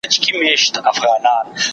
احتمال شته چې له سپوږمۍ سره ټکر وکړي؟